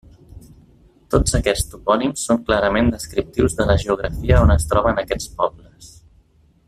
Tots aquests topònims són clarament descriptius de la geografia on es troben aquests pobles.